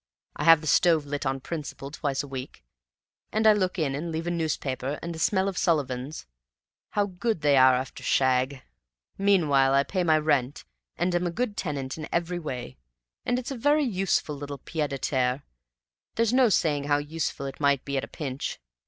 I have the stove lit on principle twice a week, and look in and leave a newspaper and a smell of Sullivans how good they are after shag! Meanwhile I pay my rent and am a good tenant in every way; and it's a very useful little pied à terre there's no saying how useful it might be at a pinch.